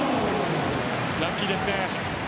ラッキーですね。